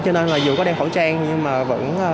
cho nên là dù có đeo khẩu trang nhưng mà vẫn